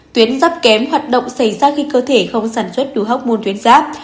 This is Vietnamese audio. tuyến giáp kém hoạt động xảy ra khi cơ thể không sản xuất đủ học môn tuyến giáp